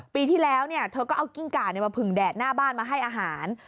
ปีที่แล้วเธอก็เอากิ้งก่ามาผึ่งแดดหน้าบ้านมาให้อาหาร